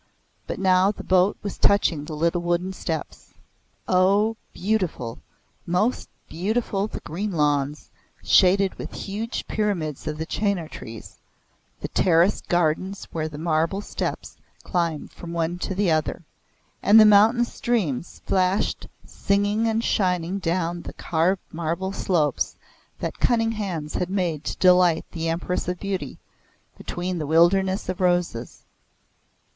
But now the boat was touching the little wooden steps. O beautiful most beautiful the green lawns, shaded with huge pyramids of the chenar trees, the terraced gardens where the marble steps climbed from one to the other, and the mountain streams flashed singing and shining down the carved marble slopes that cunning hands had made to delight the Empress of Beauty, between the wildernesses of roses.